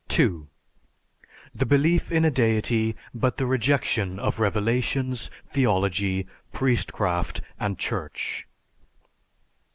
(2) The belief in a deity, but the rejection of revelations, theology, priestcraft, and church.